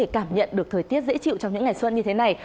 khoe sắc rộn ràng nhất